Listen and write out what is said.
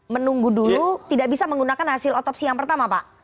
menunggu dulu tidak bisa menggunakan hasil otopsi yang pertama pak